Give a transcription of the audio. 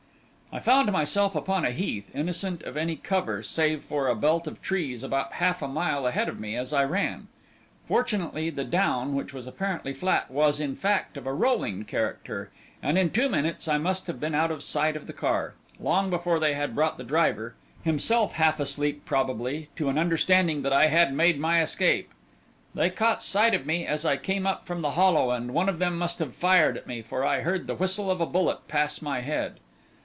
"I found myself upon a heath, innocent of any cover, save for a belt of trees about half a mile ahead of me as I ran. Fortunately the down, which was apparently flat, was, in fact, of a rolling character, and in two minutes I must have been out of sight of the car long before they had brought the driver, himself half asleep probably, to an understanding that I had made my escape. They caught sight of me as I came up from the hollow, and one of them must have fired at me, for I heard the whistle of a bullet pass my head.